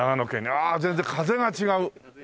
ああ全然風が違う。